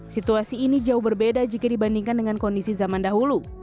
situasi ini jauh berbeda jika dibandingkan dengan kondisi zaman dahulu